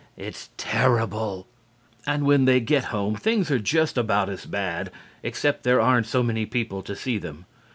It's terrible. And when they get home things are just about as bad, except there aren't so many people to see them.